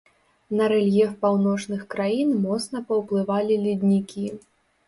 На рэльеф паўночных краін моцна паўплывалі леднікі.